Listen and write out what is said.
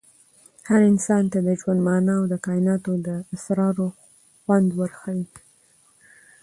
هنر انسان ته د ژوند مانا او د کائناتو د اسرارو خوند ورښيي.